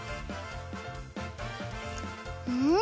うん！